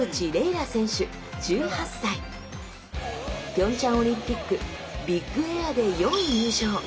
ピョンチャンオリンピックビッグエアで４位入賞。